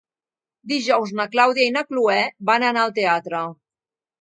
Dijous na Clàudia i na Cloè volen anar al teatre.